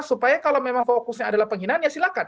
supaya kalau memang fokusnya adalah penghinaan ya silahkan